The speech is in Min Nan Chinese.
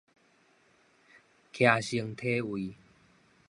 騎乘體位